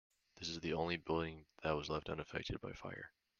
This is the only building that was left unaffected by fire.